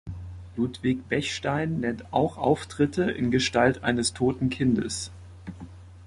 Ludwig Bechstein nennt auch Auftritte in Gestalt eines toten Kindes.